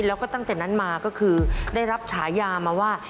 แล้วก็ตั้งแต่นั้นมาก็คือได้รับฉายามาว่า